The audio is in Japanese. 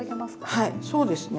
はいそうですね